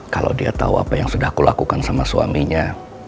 kalau dia tahu apa yang sudah aku lakukan sama suaminya